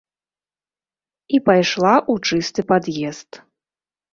І пайшла ў чысты пад'езд.